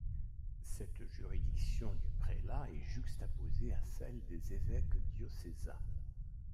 Cette juridiction du prélat est juxtaposée à celle des évêques diocésains.